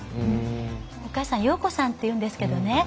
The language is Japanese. お母さんは洋子さんというんですけどね。